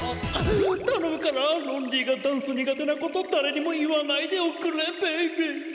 たのむからロンリーがダンス苦手なことだれにも言わないでおくれベイビー。